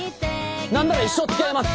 何なら一生つきあいます！